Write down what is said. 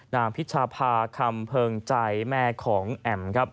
นางพิชภาคำเพิ่งใจแม่ของแอ่ม